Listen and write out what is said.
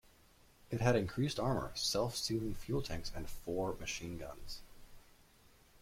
It had increased armor, self-sealing fuel tanks, and four machine guns.